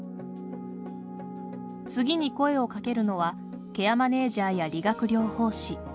次に声をかけるのはケアマネージャーや理学療法士。